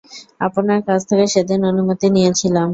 আপনার কাছ থেকে সেদিন অনুমতি নিয়েছিলাম।